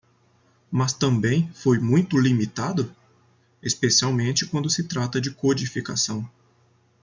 Mas também foi muito limitado?, especialmente quando se trata de codificação.